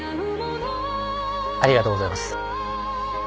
ありがとうございます。